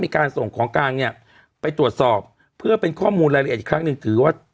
มีการส่งของกลางเนี่ยไปตรวจสอบเพื่อเป็นข้อมูลรายละเอียดอีกครั้งหนึ่งถือว่า